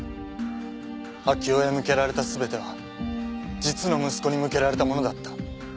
明生へ向けられた全ては実の息子に向けられたものだった。